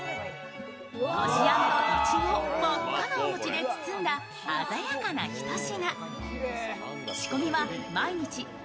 こしあんといちごを真っ赤なお餅で包んだ鮮やかな一品。